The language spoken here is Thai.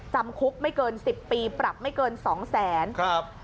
จำคุกไม่เกิน๑๐ปีปรับไม่เกิน๒แสนครับ